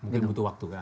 mungkin butuh waktukah